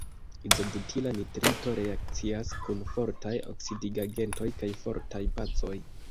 Izobutila nitrito reakcias kun fortaj oksidigagentoj kaj fortaj bazoj.